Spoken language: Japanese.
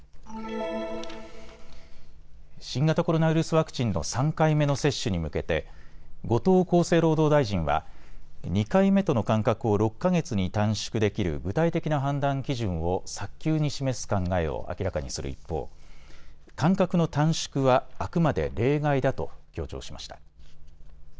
新型コロナウイルスワクチンの３回目の接種に向けて後藤厚生労働大臣は２回目との間隔を６か月に短縮できる具体的な判断基準を早急に示す考えを明らかにする一方、間隔の短縮はあくまで例外だと強調しました。